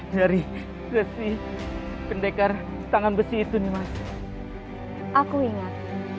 dari si pendekar tangan besi itu nih mas aku ingat